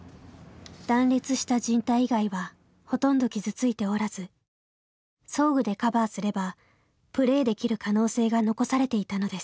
断裂したじん帯以外はほとんど傷ついておらず装具でカバーすればプレーできる可能性が残されていたのです。